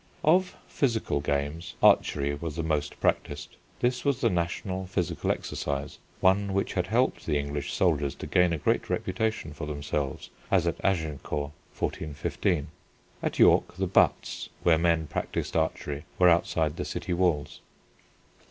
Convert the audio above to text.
Of physical games archery was the most practised. This was the national physical exercise, one which had helped the English soldiers to gain a great reputation for themselves, as at Agincourt (1415). At York the "butts," where men practised archery, were outside the city walls.